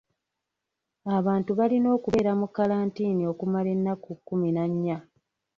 Abantu balina okubeera mu kalantiini okumala ennaku kkumi na nnya.